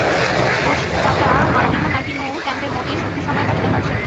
Coach Tata Martino নাকি ন্যু ক্যাম্পে মোটেই সুখী সময় কাটাতে পারছেন না।